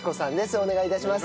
お願い致します。